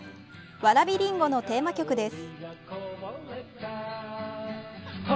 わらびりんごのテーマ曲です。